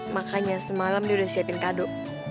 makanya semalam dia udah siapin kado